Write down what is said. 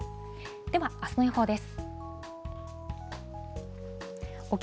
では、あすの予報です。